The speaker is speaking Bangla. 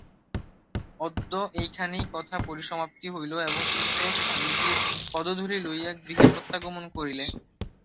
অদ্য এইখানেই কথার পরিসমাপ্তি হইল এবং শিষ্য স্বামীজীর পদধূলি লইয়া গৃহে প্রত্যাগমন করিলে।